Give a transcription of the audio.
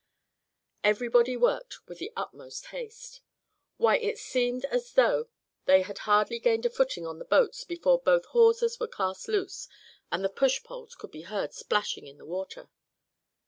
Everybody worked with the utmost haste. Why, it seemed as though they had hardly gained a footing on the boats before both hawsers were cast loose, and the push poles could be heard splashing in the water.